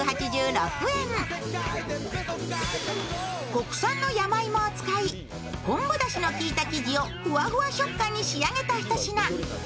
国産の山芋を使い、昆布だしのきいた生地をふわふわ食感に仕上げたひと品。